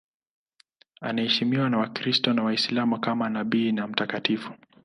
Anaheshimiwa na Wakristo na Waislamu kama nabii na mtakatifu.